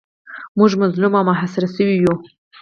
موږ مظلوم او محاصره شوي یو.